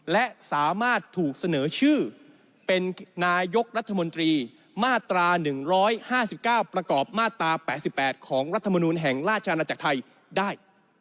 และสามารถถูกเสนอชื่อเป็นนายกรัฐมนตรีมาตรา๑๕๙ประกอบมาตรา๘๘ของรัฐมนูลแห่งราชอาณาจักรไทยได้